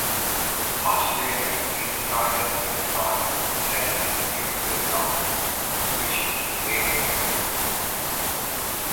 Much later, he decided to try a second 'Beautiful Love', which he later preferred.